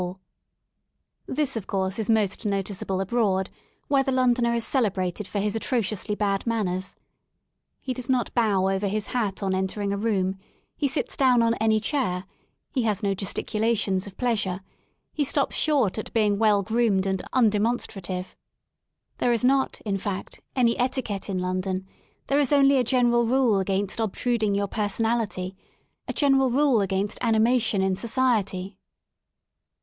114 LONDON AT LEISURE This of course is most noticeable abroad, where the Londoner is celebrated for his atrociously bad manners. He does not bow over his hat on entering a room ; he sits down on any chair^ he has no gesticulations of pleasure, he stops short at being well groomed and undemonstrative There is not, in fact, any etiquette in London, there is only a general rule against ob truding your personality^a general rule against ani mation in society.